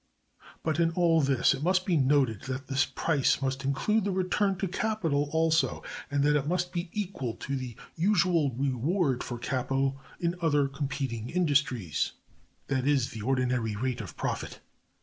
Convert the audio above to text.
But in all this it must be noted that this price must include the return to capital also, and that it must be equal to the usual reward for capital in other competing industries, that is, the ordinary rate of profit.